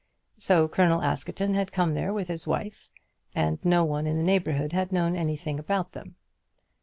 So Colonel Askerton had come there with his wife, and no one in the neighbourhood had known anything about them.